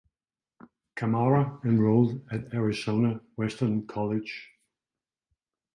Kamara enrolled at Arizona Western College.